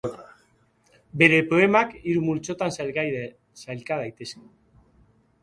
Bere poemak hiru multzotan sailka daitezke.